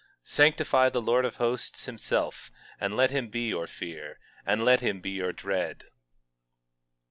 18:13 Sanctify the Lord of Hosts himself, and let him be your fear, and let him be your dread.